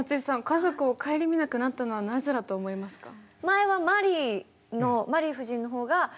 家族を顧みなくなったのはなぜだと思いますか？